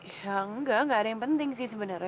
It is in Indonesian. ya enggak gak ada yang penting sih sebenarnya